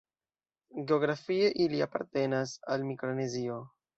Geografie ili apartenas al Mikronezio.